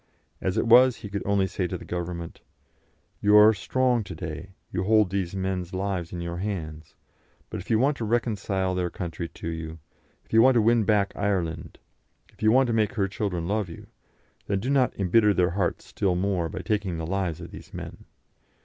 As it was, he could only say to the Government: You are strong to day; you hold these men's lives in your hands; but if you want to reconcile their country to you, if you want to win back Ireland, if you want to make her children love you then do not embitter their hearts still more by taking the lives of these men.